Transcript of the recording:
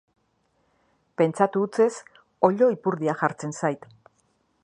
Pentsatu hutsez oilo-ipurdia jartzen zait.